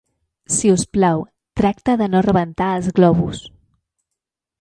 Si us plau, tracta de no rebentar els globus